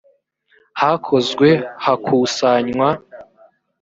hakozwe hakusanywa